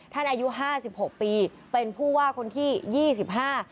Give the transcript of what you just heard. อายุห้าสิบหกปีเป็นผู้ว่าคนที่ยี่สิบห้า